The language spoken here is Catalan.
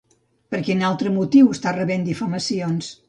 Per quin altre motiu està rebent difamacions?